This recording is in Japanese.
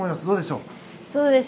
どうでしょう？